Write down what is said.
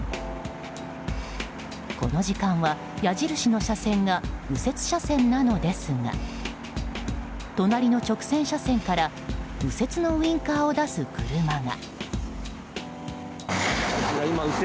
この時間は、矢印の車線が右折車線なのですが隣の直進車線から右折のウインカーを出す車が。